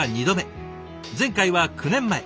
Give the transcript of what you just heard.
前回は９年前。